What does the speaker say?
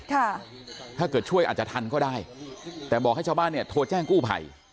ถ้าเกิดช่วยอาจจะทันก็ได้แต่บอกให้ชาวบ้านเนี่ยโทรแจ้งกู้ภัย